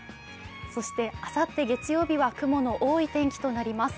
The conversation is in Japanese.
そしてあさって月曜日は雲の多い天気となります。